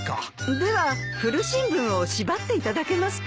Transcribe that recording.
では古新聞を縛っていただけますか？